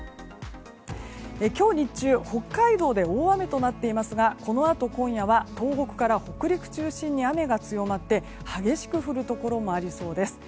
今日、日中北海道で大雨となっていますがこのあと今夜は東北から北陸中心に雨が強まって激しく降るところもありそうです。